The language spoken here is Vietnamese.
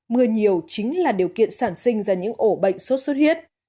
mưa nhiều chính là điều kiện sản sinh ra những ổ bệnh sốt sốt huyết